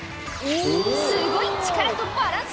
すごい力とバランス！